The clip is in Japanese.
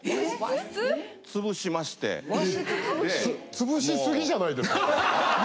つぶしすぎじゃないですか。